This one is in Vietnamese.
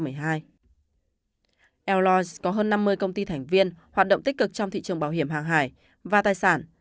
airlines có hơn năm mươi công ty thành viên hoạt động tích cực trong thị trường bảo hiểm hàng hải và tài sản